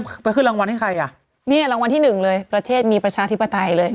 ไปขึ้นรางวัลให้ใครอ่ะเนี่ยรางวัลที่หนึ่งเลยประเทศมีประชาธิปไตยเลย